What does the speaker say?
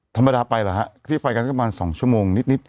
ธรรมดาไปหรอฮะที่ไปกันก็ประมาณสองชั่วโมงนิด